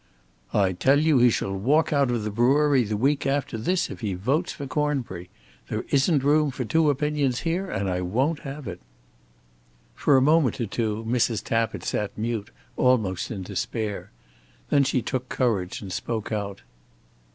"I tell you he shall walk out of the brewery the week after this, if he votes for Cornbury. There isn't room for two opinions here, and I won't have it." For a moment or two Mrs. Tappitt sat mute, almost in despair. Then she took courage and spoke out.